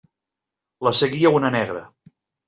Les seguia una negra.